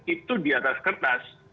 itu di atas kertas